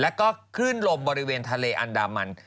แล้วก็คลื่นลมบริเวณทะเลอันดามัน